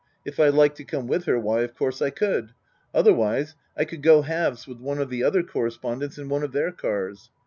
If I liked to come with her, why, of course I could. Otherwise, I could go halves with one of the other correspondents in one of their cars.